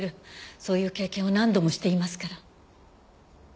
そういう経験を何度もしていますから。